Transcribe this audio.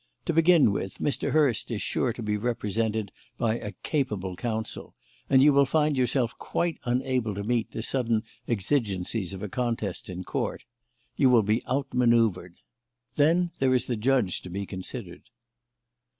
To begin with, Mr. Hurst is sure to be represented by a capable counsel, and you will find yourself quite unable to meet the sudden exigencies of a contest in Court. You will be out manoeuvred. Then there is the judge to be considered."